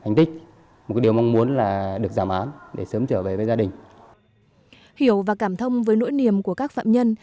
hiểu và cảm thông với nỗi niềm của các phạm nhân